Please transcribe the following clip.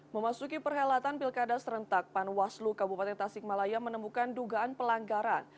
memasuki perhelatan pilkada serentak panwaslu kabupaten tasikmalaya menemukan dugaan pelanggaran